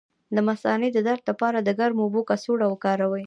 د مثانې د درد لپاره د ګرمو اوبو کڅوړه وکاروئ